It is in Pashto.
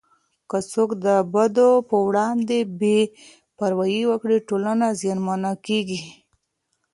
که څوک د بدو په وړاندې بې پروايي وکړي، ټولنه زیانمنه کېږي.